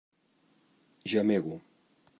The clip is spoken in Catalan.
Gemego.